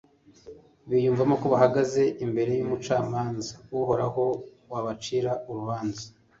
Biyumvamo ko bahagaze imbere y'Umucamanza uhoraho wabacira urubanza